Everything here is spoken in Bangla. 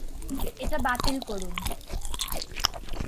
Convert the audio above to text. এটা বাতিল করুন।